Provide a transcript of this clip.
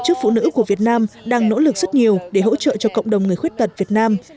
tổ chức phụ nữ của việt nam đang nỗ lực rất nhiều để hỗ trợ cho cộng đồng người khuyết tật việt nam